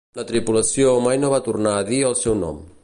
La tripulació mai no va tornar a dir el seu nom.